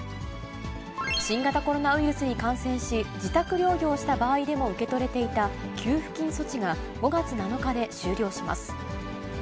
新型コロナウイルスに感染し、自宅療養した場合でも受け取れていた給付金措置が、５月７日で終了します。